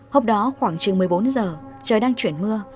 hôm đó khoảng chừng một mươi bốn giờ trời đang chuyển mưa